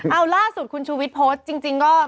เอาล่าสุดคุณชูวิทย์โพสต์จริงก็